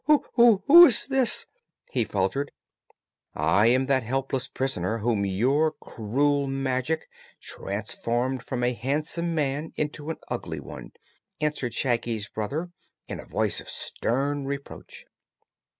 "Wh wh who is this?" he faltered. "I am that helpless prisoner whom your cruel magic transformed from a handsome man into an ugly one!" answered Shaggy's brother, in a voice of stern reproach.